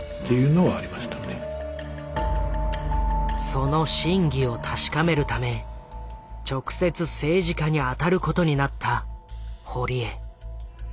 その真偽を確かめるため直接政治家に当たることになった堀江。